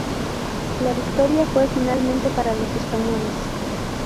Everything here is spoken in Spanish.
La victoria fue finalmente para los españoles.